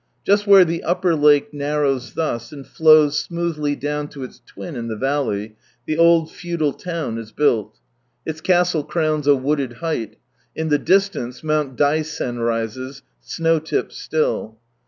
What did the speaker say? Just where the upper lake narrows thus, and flows smoothly down to its twin in the valley, the old feudal town is built. Its castle crowns a wooded height ; in the distance Mount Daisen rises, snowtipped still.